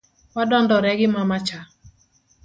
Wadondore gi mama cha.